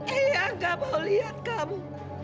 eyang gak mau liat kamu